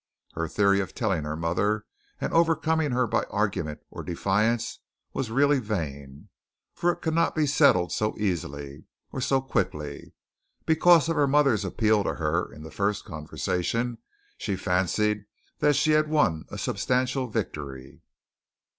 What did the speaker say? Her theory of telling her mother and overcoming her by argument or defiance was really vain, for it could not be settled so easily, or so quickly. Because of her mother's appeal to her in this first conversation, she fancied she had won a substantial victory.